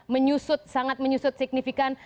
menyusut sangat menyusut signifikan